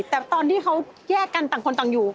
แต่ตอนที่เขาแยกกันต่างคนต่างอยู่